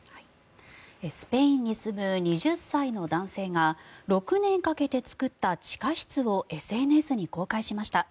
スペインに住む２０歳の男性が６年かけて作った地下室をＳＮＳに公開しました。